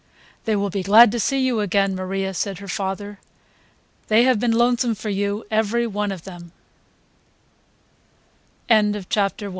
"They will be glad to see you again, Maria," said her father. "They have been lonesome for you, every one of them."